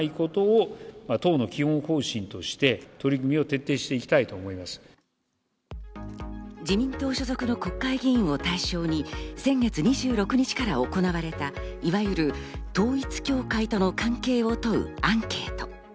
３週間後に迫る安倍元総理の自民党所属の国会議員を対象に先月２６日から行われた、いわゆる統一教会との関係を問うアンケート。